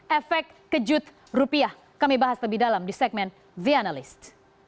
efek kejut rupiah kami bahas lebih dalam di segmen the analyst